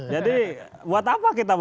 jadi buat apa kita